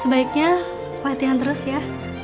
sebaiknya latihan terus ya